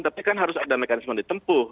tapi kan harus ada mekanisme di tempuh